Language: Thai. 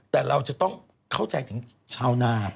แต่เราจะต้องเข้าใจถึงชาวนา